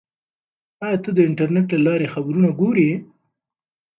آیا ته د انټرنیټ له لارې خبرونه ګورې؟